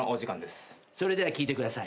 それでは聞いてください。